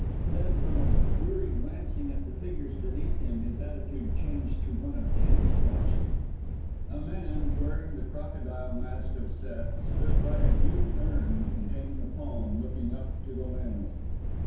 Then, from a weary glancing at the figures beneath him, his attitude changed to one of tense watching. A man, wearing the crocodile mask of Set, stood by a huge urn containing a palm, looking up to the landing!